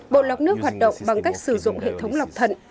bộ lọc nước hoạt động bằng cách sử dụng hệ thống lọc thận